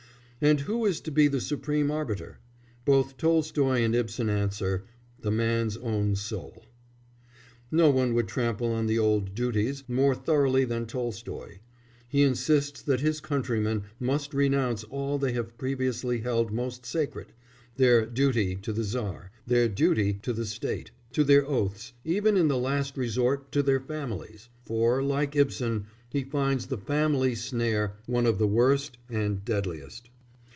And who is to be the supreme arbiter? Both Tolstoy and Ibsen answer: "The man's own soul." No one would trample on the old "duties" more thoroughly than Tolstoy; he insists that his countrymen must renounce all they have previously held most sacred, their "duty" to the Czar, their "duty" to the State, to their oaths, even in the last resort to their families; for, like Ibsen, he finds the "family snare" one of the worst and deadliest.